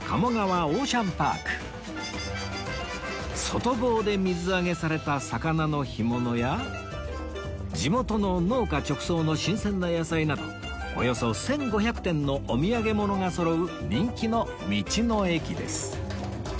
外房で水揚げされた魚の干物や地元の農家直送の新鮮な野菜などおよそ１５００点のお土産物がそろう人気の道の駅です